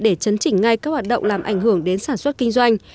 để chấn chỉnh ngay các hoạt động làm ảnh hưởng đến sản xuất kinh doanh